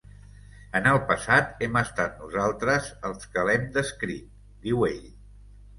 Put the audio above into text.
"En el passat, hem estat nosaltres els que l'hem descrit", diu ell.